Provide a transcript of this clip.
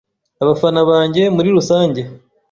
abafana banjye muri rusange,